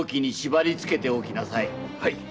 はい。